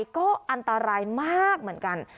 ก็อันตรายมากเหมือนกัน